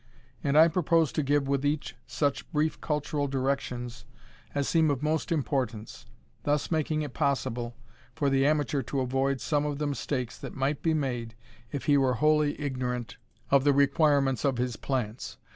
And I propose to give with each such brief cultural directions as seem of most importance, thus making it possible for the amateur to avoid some of the mistakes that might be made if he were wholly ignorant of the requirements of his plants.